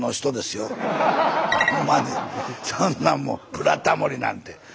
そんなもう「ブラタモリ」なんて。